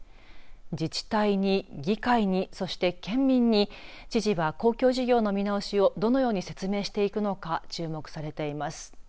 自治体に議会にそして県民に記事は公共事業の見直しをどのように説明していくのか注目されています。